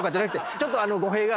ちょっと。